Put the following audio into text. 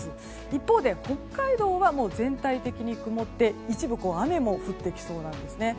一方、北海道は全体的に曇って一部雨も降ってきそうなんです。